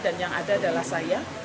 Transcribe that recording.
dan yang ada adalah saya